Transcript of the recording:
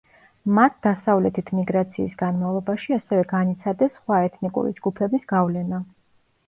მათ დასავლეთით მიგრაციის განმავლობაში ასევე განიცადეს სხვა ეთნიკური ჯგუფების გავლენა.